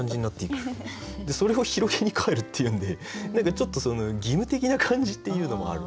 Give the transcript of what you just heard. でそれを広げに帰るっていうんで何かちょっと義務的な感じっていうのもある。